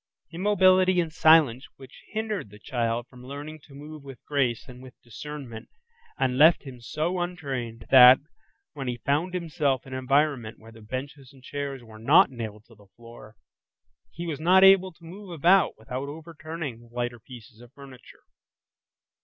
Immobility and silence which hindered the child from learning to move with grace and with discernment, and left him so untrained, that, when he found himself in an environment where the benches and chairs where not nailed to the floor, he was not able to move about without overturning the lighter pieces of furniture.